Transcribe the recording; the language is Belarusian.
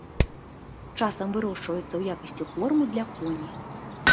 Часам вырошчваецца ў якасці корму для коней.